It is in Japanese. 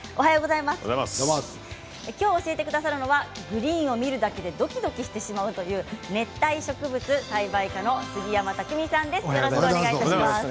きょう教えてくださるのはグリーンを見るだけでドキドキしてしまうという熱帯植物栽培家の杉山拓巳さんです。